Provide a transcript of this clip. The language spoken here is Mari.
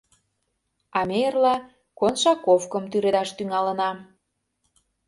— А ме эрла «Коншаковкым» тӱредаш тӱҥалына!